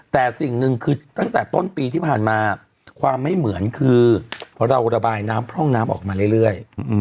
แต่สิ่งหนึ่งคือตั้งแต่ต้นปีที่ผ่านมาความไม่เหมือนคือเราระบายน้ำพร่องน้ำออกมาเรื่อย